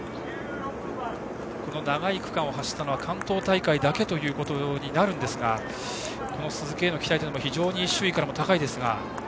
長い区間を走ったのは関東大会だけということになるんですが鈴木への期待というのも非常に周囲から高いんですが。